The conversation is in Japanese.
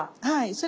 はい。